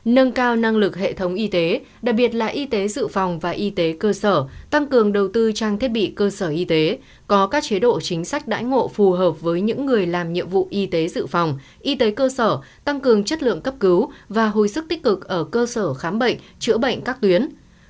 nâng cao năng lực hệ thống y tế đặc biệt là y tế dự phòng và y tế cơ sở tăng cường đầu tư trang thiết bị cơ sở y tế có các chế độ chính sách đãi ngộ phù hợp với những người làm nhiệm vụ y tế dự phòng y tế cơ sở tăng cường chất lượng cấp cứu và hồi sức tích cực ở cơ sở khám bệnh chữa bệnh các tuyến